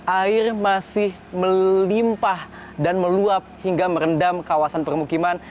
air masih melimpah dan meluap hingga merendam kawasan permukiman